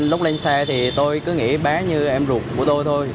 lúc lên xe thì tôi cứ nghĩ bé như em ruột của tôi thôi